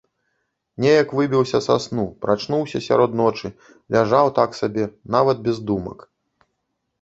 Неяк выбіўся са сну, прачнуўся сярод ночы, ляжаў так сабе, нават без думак.